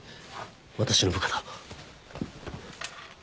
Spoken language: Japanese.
私の部下だ。